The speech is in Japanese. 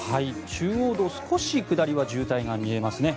中央道少し下りは渋滞が見えますね。